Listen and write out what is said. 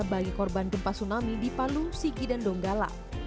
bagi korban gempa tsunami di palu sigi dan donggala